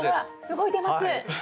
動いてます！